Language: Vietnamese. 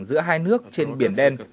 giữa hai nước trên biển đen